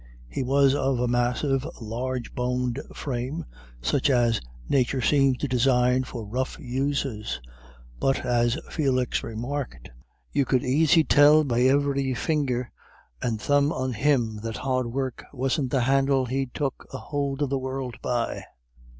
He was of a massive, large boned frame, such as nature seems to design for rough uses; but, as Felix remarked, "you could aisy tell be ivery finger and thumb on him that hard work wasn't the handle he'd took a hould of the world by."